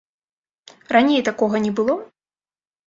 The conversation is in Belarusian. Раней такога не было?